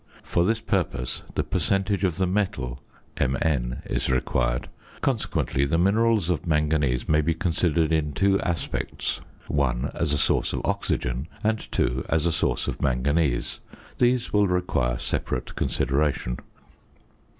For this purpose the percentage of the metal (Mn) is required. Consequently the minerals of manganese may be considered in two aspects (1) as a source of oxygen; and (2) as a source of manganese. These will require separate consideration.